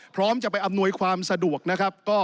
พร้อมจะไปอำนวยความสะดวกนะครับ